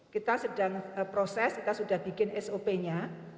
kita sedang proses kita sudah bikin sop nya